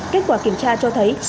kết quả kiểm tra cho thấy